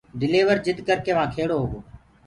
ڊليور جِد ڪرڪي وهآنٚ کڙو هوگو